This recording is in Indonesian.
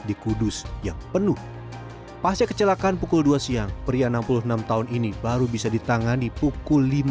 di kudus yang penuh pasca kecelakaan pukul dua siang pria enam puluh enam tahun ini baru bisa ditangani pukul lima